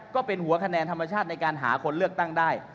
ก็เป็นหัวคะแนนธรรมชาติในการหาคนเลือกตั้งได้